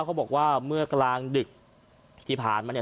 เขาบอกว่าเมื่อกลางดึกที่ผ่านมาเนี่ย